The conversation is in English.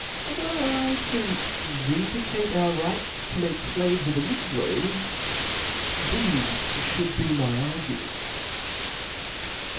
E R E I to vindicate our \ right to make flaves of the Negroes, thefe fhould be my arguments.